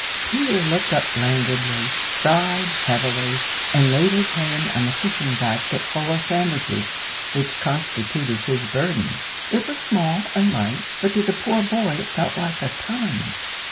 Peter looked up languidly, sighed heavily, and laid his hand on the fishing basket full of sandwiches, which constituted his burden. It was small and light, but to the poor boy it felt like a ton.